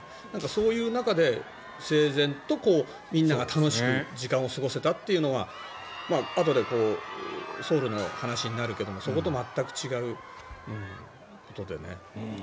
そういう中で、整然とみんなが楽しく時間を過ごせたっていうのはあとでソウルの話になるけどそこと全く違うことでね。